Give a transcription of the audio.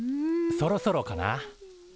そろそろかな？